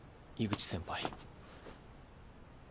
井口先輩。